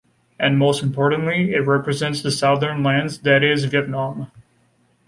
And most importantly, it represents the southern lands, that is Vietnam.